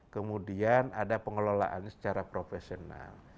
kemudian ada pengelolaannya secara profesional